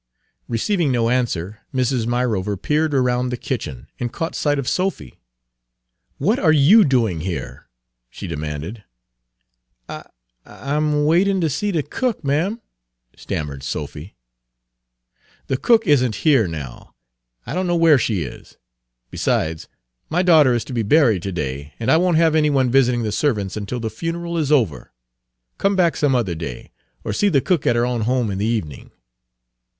" Receiving no answer, Mrs. Myrover peered around the kitchen, and caught sight of Sophy. "What are you doing here?" she demanded. "I I 'm m waitin' ter see de cook, ma'am," stammered Sophy. Page 284 "The cook is n't here now. I don't know where she is. Besides, my daughter is to be buried to day, and I won't have any one visiting the servants until the funeral is over. Come back some other day, or see the cook at her own home in the evening."